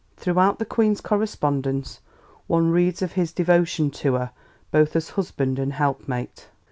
Throughout the Queen's correspondence one reads of his devotion to her both as husband and helpmate.